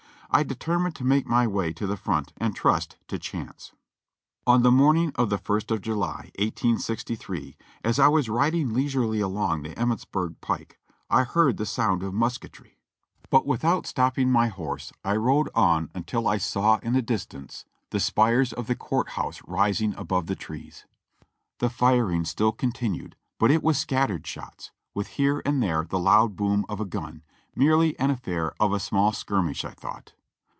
I determined to make my way to the front and trust to chance. On the morning of the ist of July, 1863, as I was riding leis urely along the Emmitsburg pike, I heard the sound of mus ketry ; but without stopping my horse I rode on until I saw in the 382 JOHNNY REB AND BILLY YANK distance the spires of the court house rising above the trees. The firing still continued, but it was scattered shots, with here and there the loud boom of a gun, merely an affair of a small skirmish I thought.